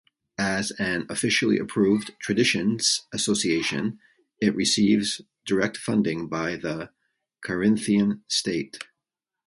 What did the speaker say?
As an officially approved traditions association it receives direct funding by the Carinthian state.